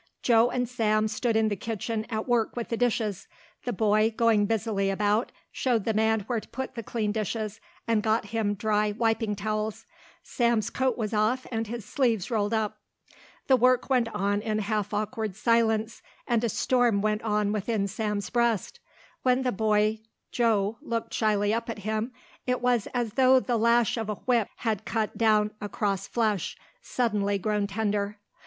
Joe and Sam stood in the kitchen at work with the dishes; the boy, going busily about, showed the man where to put the clean dishes, and got him dry wiping towels. Sam's coat was off and his sleeves rolled up. The work went on in half awkward silence and a storm went on within Sam's breast. When the boy Joe looked shyly up at him it was as though the lash of a whip had cut down across flesh, suddenly grown tender.